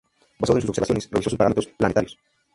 Basado en sus observaciones, revisó los parámetros planetarios.